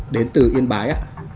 đến từ yên bái